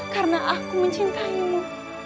karena aku mencintaimu